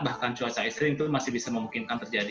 bahkan cuaca ekstrim itu masih bisa memungkinkan terjadi